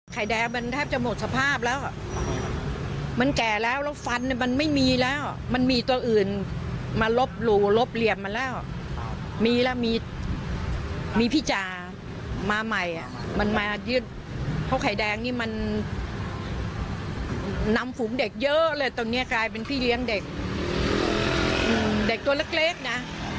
แดงมันแทบจะหมดสภาพแล้วมันแก่แล้วแล้วฟันมันไม่มีแล้วมันมีตัวอื่นมาลบหลู่ลบเหลี่ยมมาแล้วมีแล้วมีมีพี่จ่ามาใหม่อ่ะมันมายึดเพราะไข่แดงนี่มันนำฝูงเด็กเยอะเลยตอนนี้กลายเป็นพี่เลี้ยงเด็กตัวเล็กนะ